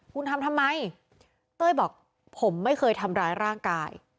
คุณทำทำไมเต้ยบอกผมไม่เคยทำร้ายร่างกาย